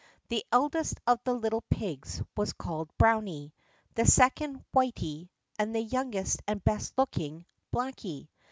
The eldest of the little pigs was called Browny, the second Whity, and the youngest and best looking, Blacky.